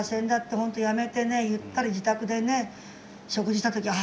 ほんとやめてねゆったり自宅でね食事した時はあ